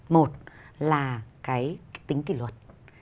một là cái tính kỷ luật